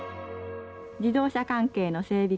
自動車関係の整備